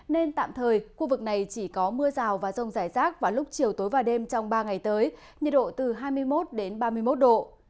nên tạm thời khu vực này chỉ có mưa rào và rông rải rác vào lúc chiều tối và đêm trong ba ngày tới nhiệt độ từ hai mươi một ba mươi một độ